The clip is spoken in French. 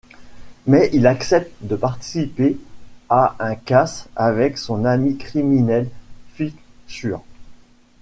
Mais il accepte de participer à un casse avec son ami criminel Ficsúr.